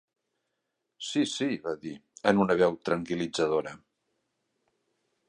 "Sí, sí", va dir, en una veu tranquil·litzadora.